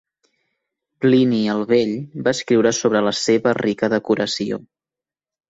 Plini el Vell va escriure sobre la seva rica decoració.